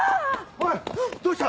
おいどうした！